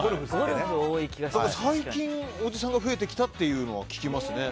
最近おじさんが増えてきたのは聞きます。